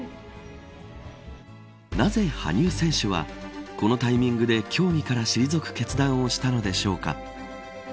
なぜ、羽生選手はこのタイミングで競技から退く決断をしたのでしょうか。